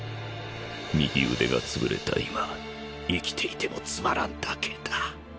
右腕がつぶれた今生きていてもつまらんだけだ。